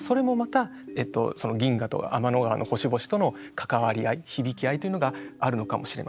それもまた銀河と天の川の星々との関わり合い響き合いというのがあるのかもしれません。